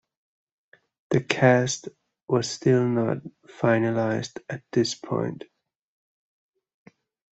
The cast was still not finalized at this point.